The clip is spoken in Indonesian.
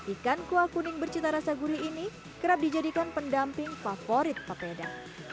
ikan kuah kuning bercita rasa gurih ini kerap dijadikan pendamping favorit pepeda